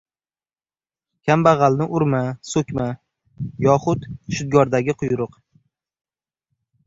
«Kambag‘alni urma, so‘kma...» yoxud shudgordagi quyruq